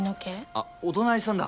あお隣さんだ。